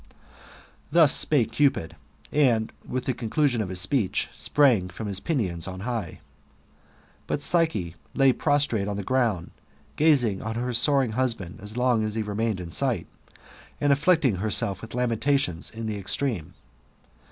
Thus spake Cupid, and with the conclusion of his speech sprang with his pinions on high. But Psyche lay prostrate on the ground, gazing on her soar ing husband as long as h€ remained in sight, and afflicting herself with lamentations in the extreme.